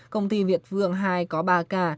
công ty việt phương hai có ba ca